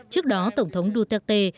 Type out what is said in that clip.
trước đó tổng thống duterte